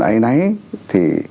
ây náy thì